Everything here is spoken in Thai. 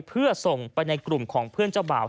เพื่อส่งไปในกลุ่มของเพื่อนเจ้าบ่าว